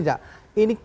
tidak gini mbak